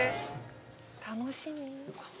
楽しみ。